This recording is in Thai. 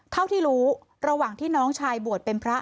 เท่าที่รู้ระหว่างที่น้องชายบวชเป็นพระ